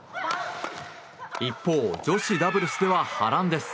一方、女子ダブルスでは波乱です。